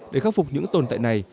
để khắc phục những tồn tại này